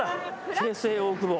京成大久保。